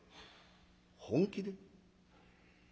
「本気で？